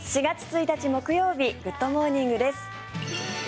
４月１日木曜日『グッド！モーニング』です。